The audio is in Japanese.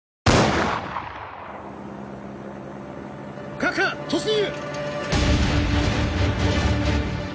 各班突入！